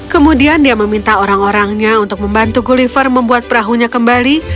kemudian dia meminta orang orangnya untuk membantu gulliver membuat perahunya kembali